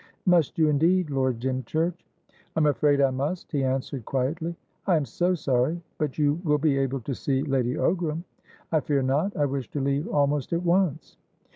"Must you indeed, Lord Dymchurch?" "I'm afraid I must," he answered quietly. "I am so sorry. But you will be able to see Lady Ogram?" "I fear not. I wish to leave almost at once."